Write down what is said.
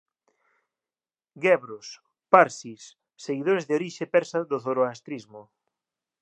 Guebros – parsis, seguidores de orixe persa do zoroastrismo.